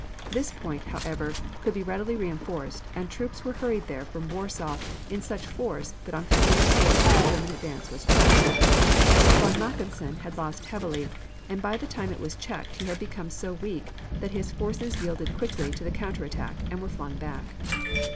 This point, however, could be readily reinforced and troops were hurried there from Warsaw in such force that on February 4th the German advance was checked. Von Mackensen had lost heavily, and by the time it was checked he had become so weak that his forces yielded quickly to the counter attack and were flung back.